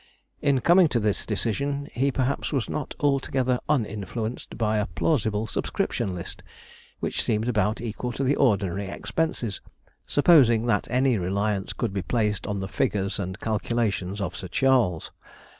In coming to this decision he, perhaps, was not altogether uninfluenced by a plausible subscription list, which seemed about equal to the ordinary expenses, supposing that any reliance could be placed on the figures and calculations of Sir Charles.